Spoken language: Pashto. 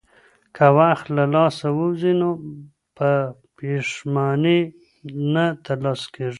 که وخت له لاسه ووځي نو په پښېمانۍ نه ترلاسه کېږي.